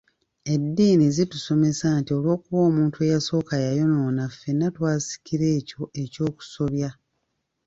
Eddiini zitusomesa nti olw'okuba omuntu eyasooka yayonoona ffenna twasikira ekyo eky'okusobya.